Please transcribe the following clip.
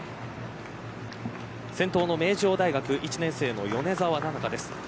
先頭の名城大学１年生の米澤奈々香です。